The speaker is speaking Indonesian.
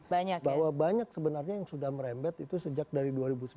bahwa banyak sebenarnya yang sudah merembet itu sejak dari dua ribu sembilan belas